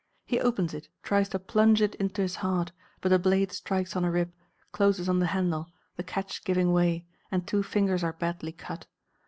He opens it, tries to plunge it into his heart, but the blade strikes on a rib, closes on the handle, the catch giving way, and two fingers are badly cut.